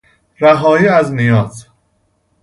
رهایی از نیاز